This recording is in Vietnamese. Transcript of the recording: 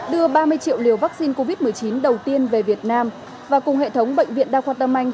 đưa ba mươi triệu liều vaccine covid một mươi chín đầu tiên về việt nam và cùng hệ thống bệnh viện đa khoa tâm anh